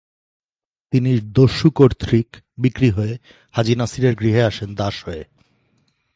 তিনি দস্যুকর্তৃক বিক্রি হয়ে হাজী নাসিরের গৃহে আসেন দাস হয়ে।